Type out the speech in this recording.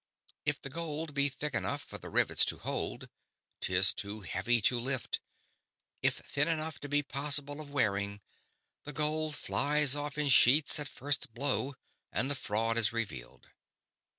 If the gold be thick enough for the rivets to hold, 'tis too heavy to lift. If thin enough to be possible of wearing, the gold flies off in sheets at first blow and the fraud is revealed.